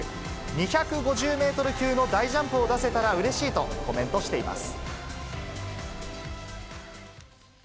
２５０メートル級の大ジャンプを出せたらうれしいとコメントしています。